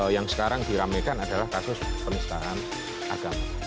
yang sekarang diramekan adalah kasus penistaan agama